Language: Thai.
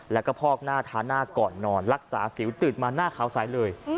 แล้วก็พอกหน้าทาหน้าก่อนนอนรักษาสิวตื่นมาหน้าขาวใสเลย